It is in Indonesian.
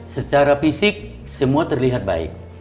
secara fisik semua terlihat baik